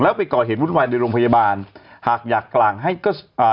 แล้วไปก่อเหตุวุ่นวายในโรงพยาบาลหากอยากกลางให้ก็อ่า